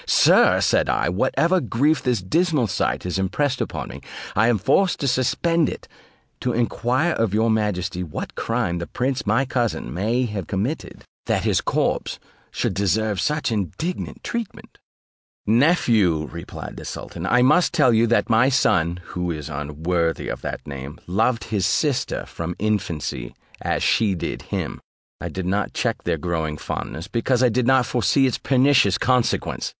"Sir," said I, "whatever grief this dismal sight has impressed upon me, I am forced to suspend it, to enquire of your majesty what crime the prince my cousin may have committed, that his corpse should deserve such indignant treatment?" "Nephew," replied the sultan, "I must tell you, that my son (who is unworthy of that name) loved his sister from his infancy, as she did him: I did not check their growing fondness, because I did not foresee its pernicious consequence.